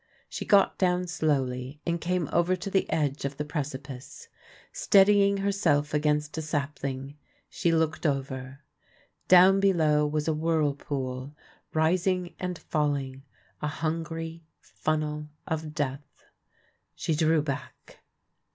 She got down slowly, and came over to the edge of the precipice. Steadying herself against a sapling, she looked over. Down below was a whirlpool, rising and falling — a hungry funnel of death. She drew back.